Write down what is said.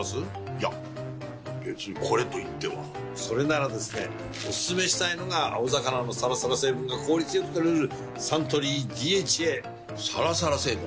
いや別にこれといってはそれならですねおすすめしたいのが青魚のサラサラ成分が効率良く摂れるサントリー「ＤＨＡ」サラサラ成分？